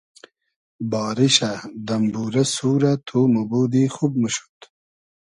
باریشۂ ، دئمبورۂ سورۂ تو موبودی خوب موشود